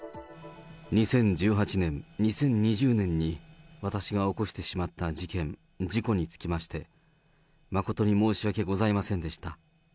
２０１８年、２０２０年に、私が起こしてしまった事件、事故につきまして、誠に申し訳ございませんでした。